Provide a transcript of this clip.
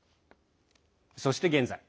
そして現在。